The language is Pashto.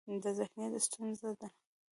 ذهنیت ستونزه ده.